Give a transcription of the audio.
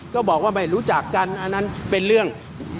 ก็บอกว่าไม่รู้จักกันอันนั้นเป็นเรื่อง